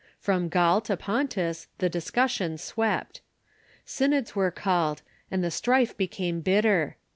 From Gaul to Pontus the discussion swept. Synods were called, and the strife became bitter.